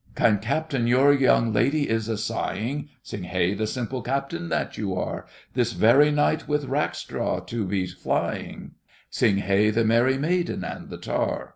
Kind Captain, your young lady is a sighing, Sing hey, the simple captain that you are, This very might with Rackstraw to be flying; Sing hey, the merry maiden and the tar.